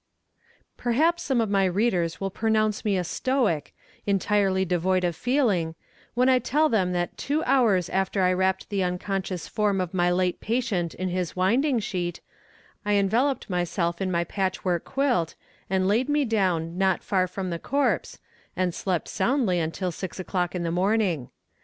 Perhaps some of my readers will pronounce me a stoic, entirely devoid of feeling, when I tell them that two hours after I wrapped the unconscious form of my late patient in his winding sheet, I enveloped myself in my patchwork quilt, and laid me down not far from the corpse, and slept soundly until six o'clock in the morning.